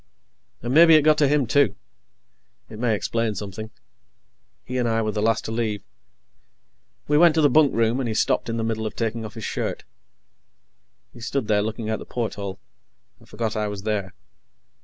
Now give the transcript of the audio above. And maybe it got to him, too. It may explain something. He and I were the last to leave. We went to the bunkroom, and he stopped in the middle of taking off his shirt. He stood there, looking out the porthole, and forgot I was there.